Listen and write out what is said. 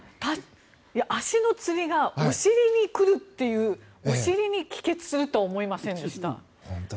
足のつりがお尻に来るというお尻に帰結するとは思いませんでした。